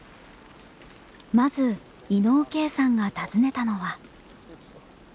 まず伊野尾慧さんが訪ねたのは。